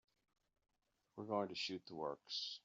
We're going to shoot the works.